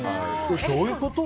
どういうこと？